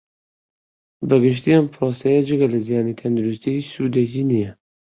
بە گشتی ئەم پڕۆسەیە جگە لە زیانی تەندروستی ھیچ سودێکی نییە